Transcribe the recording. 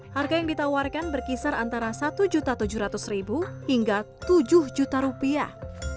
harga yang ditawarkan berkisar antara satu tujuh ratus hingga tujuh juta rupiah